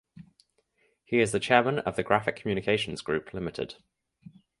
He is the Chairman of the Graphic Communications Group Limited.